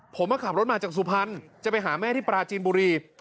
ผมขับรถมาจากสุพรรณจะไปหาแม่ที่ปราจีนบุรี